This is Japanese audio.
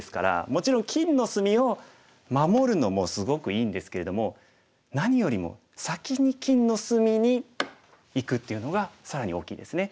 もちろん金の隅を守るのもすごくいいんですけれども何よりも先に金の隅にいくっていうのが更に大きいですね。